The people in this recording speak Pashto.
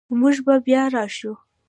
موږ به بیا راشو